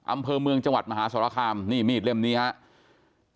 อำเภอเมืองจังหวัดมหาสรคามนี่มีดเล่มนี้ครับ